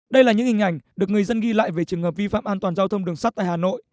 đây là những hình ảnh được người dân ghi lại về trường hợp vi phạm an toàn giao thông đường sắt tại hà nội